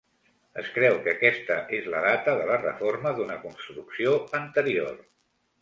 Es creu que aquesta és la data de la reforma d'una construcció anterior.